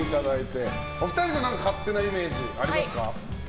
お二人の勝手なイメージありますか？